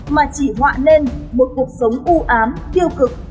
mà chỉ họa lên một cuộc sống ưu ám tiêu cực